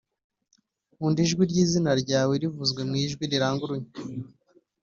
nkunda ijwi ryizina ryawe rivuzwe mu ijwi riranguruye